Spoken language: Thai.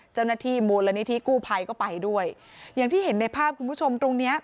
เจ้าหน้าที่มูลนิธิกู้ภัยก็ไปด้วยอย่างที่เห็นในภาพคุณผู้ชมตรงเนี้ย